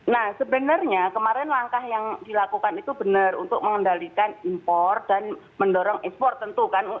nah sebenarnya kemarin langkah yang dilakukan itu benar untuk mengendalikan impor dan mendorong ekspor tentu kan